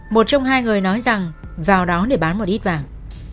một trong hai người nói rằng vào đó để bán một ít vàng